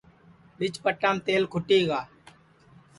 بیچ پٹام تیل کُھٹی گا